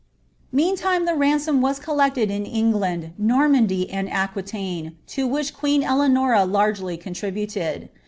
Meantime the ransom was collected in England, Normandy, and Aqui taine, to which queen Eleanora largely contributed.